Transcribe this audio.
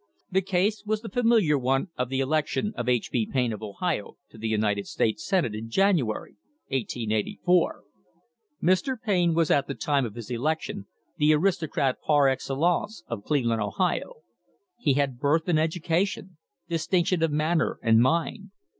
The case was the familiar one of the election of H. B. Payne of Ohio to the United States Senate in January, 1884. Mr. Payne was at the time of his election the aristocrat par excellence of Cleveland, Ohio. He had birth and education, distinction of manner and mind.